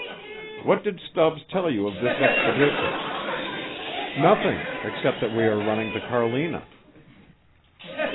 "What did Stubbs tell you of this expedition?" "Nothing except that we are running to Carlina."